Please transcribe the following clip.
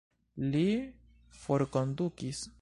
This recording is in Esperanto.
Li forkondukis?